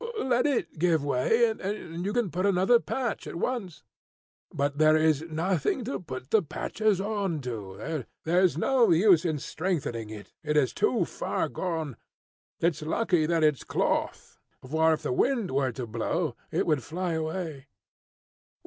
"Let it give way, and you can put on another patch at once." "But there is nothing to put the patches on to. There's no use in strengthening it. It is too far gone. It's lucky that it's cloth, for, if the wind were to blow, it would fly away."